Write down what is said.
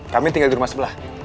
kami tinggal di rumah sebelah